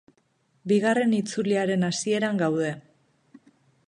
Bigarren itzuliaren hasieran gaude.